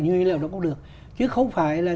nguyên liệu đó cũng được chứ không phải là